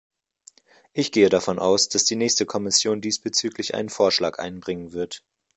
Ich gehe davon aus, dass die nächste Kommission diesbezüglich einen Vorschlag einbringen wird.